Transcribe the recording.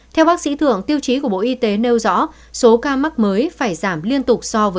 theo bác sĩ thượng tiêu chí của bộ y tế nêu rõ số ca mắc mới phải giảm liên tục so với tương lai